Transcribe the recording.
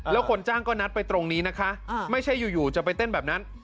แล้วคนจ้างก็นัดไปตรงนี้นะคะไม่ใช่อยู่จะไปเต้นแบบนั้น